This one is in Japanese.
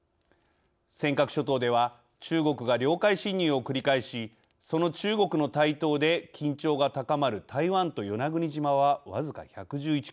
尖閣諸島では中国が領海侵入を繰り返しその中国の台頭で緊張が高まる台湾と与那国島は僅か１１１ｋｍ。